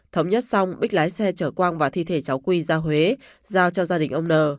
thống nhất xong bích lái xe chở quang và thi thể cháu quy ra huế giao cho gia đình ông n